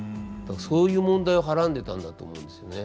そういう問題をはらんでたんだと思うんですよね。